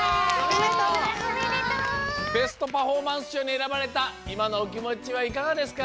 ベストパフォーマンスしょうにえらばれたいまのおきもちはいかがですか？